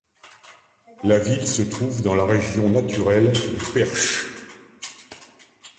La ville se trouve dans la région naturelle du Perche.